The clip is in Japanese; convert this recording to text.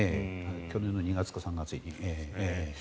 去年の２月か３月に。